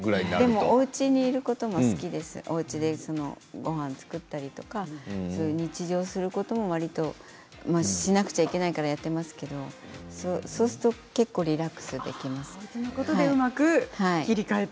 でもおうちにいることも好きですし、おうちでごはん作ったりとか日常をすることはわりとしなくちゃいけないからやっていますけど、そうすると結構リラックスできます。